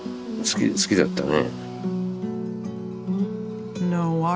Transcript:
好きだったね。